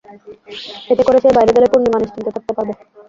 এতে করে সে বাইরে গেলে পূর্ণিমা নিশ্চিন্তে থাকতে পারবে।